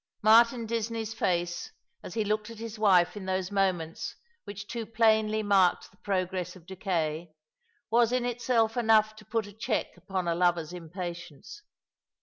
Martin Disney's face, as he looked at his wife in those moments which too plainly marked the progress of decay, was in itself enough to put a check upon a lover's impatience.